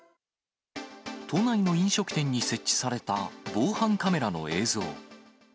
都内の飲食店に設置された防犯カメラの映像。